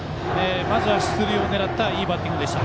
まずは出塁を狙ったいいバッティングでした。